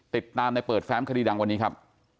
ติดตามในเปิดแฟ้มคดีดังวันนี้ครับ